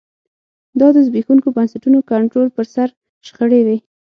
دا د زبېښونکو بنسټونو کنټرول پر سر شخړې وې